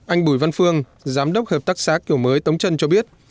anh bùi văn phương giám đốc hợp tác xã kiểu mới tống trân cho biết